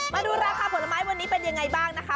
มาดูราคาผลไม้วันนี้เป็นยังไงบ้างนะคะ